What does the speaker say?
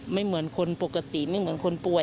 ไม่เหมือนคนปกติไม่เหมือนคนป่วย